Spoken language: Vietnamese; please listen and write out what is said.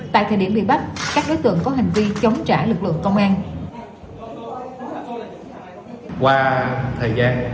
tại thời điểm bị bắt các đối tượng có hành vi chống trả lực lượng công an